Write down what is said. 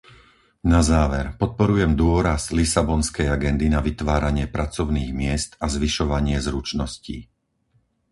Na záver, podporujem dôraz lisabonskej agendy na vytváranie pracovných miest a zvyšovanie zručností.